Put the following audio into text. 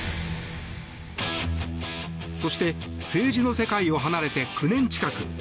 そして、政治の世界を離れて９年近く。